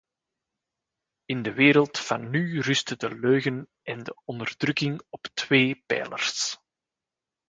In de wereld van nu rusten de leugen en de onderdrukking op twee pijlers.